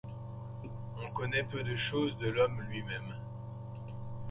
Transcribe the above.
On connaît peu de choses de l'homme lui-même.